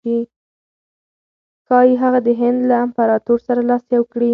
ښایي هغه د هند له امپراطور سره لاس یو کړي.